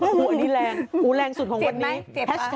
อันนี้แรงแรงสุดของวันนี้